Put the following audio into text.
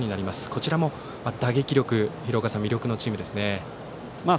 こちらも打撃力が魅力のチームですね。